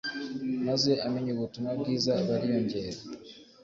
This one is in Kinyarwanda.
maze abemeye ubutumwa bwiza bariyongera.